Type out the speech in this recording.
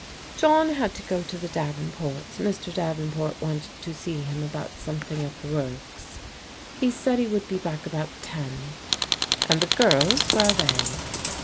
"John had to go to the Davenports. Mr. Davenport wanted to see him about something at the works. He sdd he would be back about ten.' "And the girls, where are they?